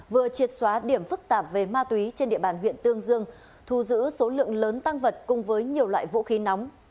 vừa triệt xóa điểm phức tạp về ma túy trên địa bàn huyện tương dương thu giữ số lượng lớn tăng vật cùng với nhiều loại vũ khí nóng